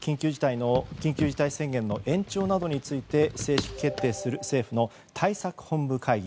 緊急事態宣言の延長などについて正式決定する対策本部会議。